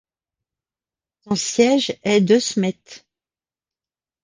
Son siège est De Smet.